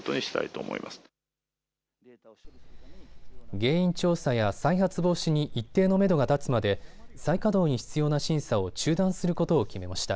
原因調査や再発防止に一定のめどが立つまで再稼働に必要な審査を中断することを決めました。